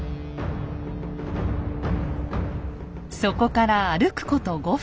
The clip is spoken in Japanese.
そこから歩くこと５分。